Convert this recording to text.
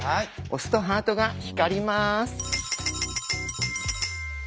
押すとハートが光ります。